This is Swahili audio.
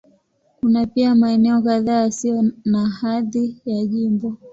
Kuna pia maeneo kadhaa yasiyo na hadhi ya jimbo.